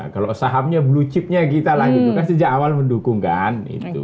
kalau sahamnya blue chipnya kita lah gitu kan sejak awal mendukung kan